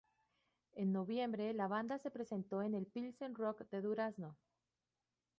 En noviembre, la banda se presentó en el Pilsen Rock de Durazno.